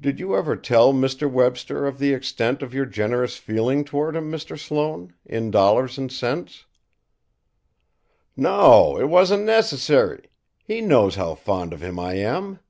"Did you ever tell Mr. Webster of the extent of your generous feeling toward him, Mr. Sloane in dollars and cents?" "No; it wasn't necessary. He knows how fond of him I am."